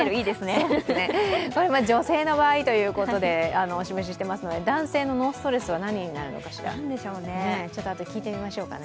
女性の場合ということでお示ししていますので男性のノーストレスは何になるんでしょうか。